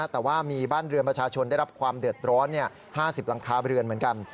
แต่ว่ามีบ้านเรือนประชาชนได้รับความเดือดร้อน๕๐หลังคาเรือนเหมือนกัน